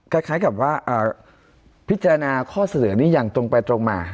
คล้ายกับว่าพิจารณาข้อเสนอนี้อย่างตรงไปตรงมา